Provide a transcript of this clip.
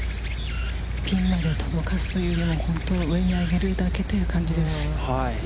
ピンまで届かすというよりも、ただ上に上げるだけという感じです。